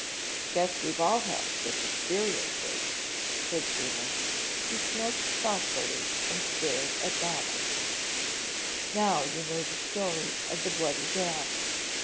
"Guess we've all had such experiences," said Seaman. He smoked thoughtfully and stared at Donald. "Now you know the story of the Bloody Dam.